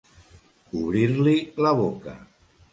Obrir-li la boca.